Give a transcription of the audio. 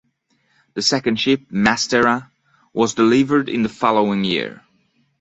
The second ship, "Mastera", was delivered in the following year.